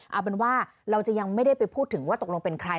เอาเป็นว่าเราจะยังไม่ได้ไปพูดถึงว่าตกลงเป็นใคร